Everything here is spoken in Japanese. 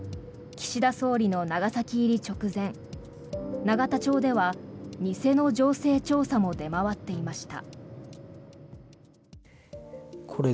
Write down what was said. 岸田総理の長崎入り直前永田町では偽の情勢調査も出回っていました。